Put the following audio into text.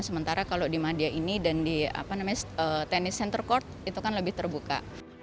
sementara kalau di madia ini dan di tenis center court itu kan lebih terbuka